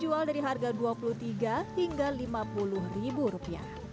dijual dari harga rp dua puluh tiga hingga rp lima puluh